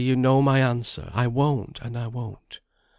you know my answer, I won't; and I won't."